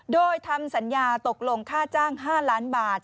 โดยทำสัญญาตกลงค่าจ้าง๕ล้านบาท